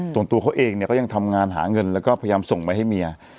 ตัวเขาเองเนี่ยก็ยังทำงานหาเงินแล้วก็พยายามส่งไปให้เมีย